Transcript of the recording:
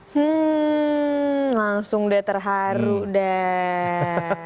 hmm langsung deh terharu deh